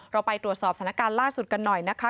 เราไปตรวจสอบสถานการณ์ล่าสุดกันหน่อยนะคะ